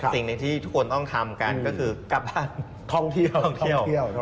สิ่งที่ทุกคนต้องทำกันก็คือกลับบ้านท่องเที่ยว